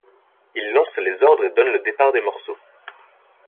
Il lance les ordres et donne le départ des morceaux.